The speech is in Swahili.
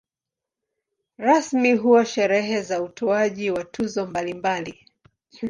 Rasmi huwa sherehe za utoaji wa tuzo mbalimbali.